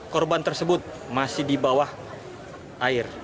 korban tersebut masih di bawah air